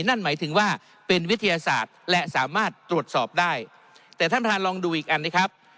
นั่นหมายถึงว่าเป็นวิทยาศาสตร์และสามารถตรวจสอบได้แต่ท่านประธานลองดูอีกอันนี้ครับ